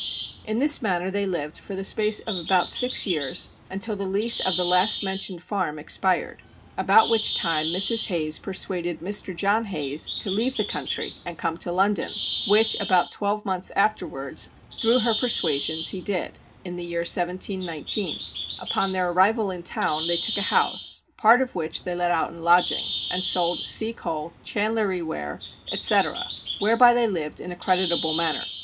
In this manner they lived for the space of about six years, until the lease of the last mentioned farm expired; about which time Mrs. Hayes persuaded Mr. John Hayes to leave the country and come to London, which about twelve months afterwards, through her persuasions he did, in the year 1719. Upon their arrival in town they took a house, part of which they let out in lodging, and sold sea coal, chandlery ware, etc., whereby they lived in a creditable manner.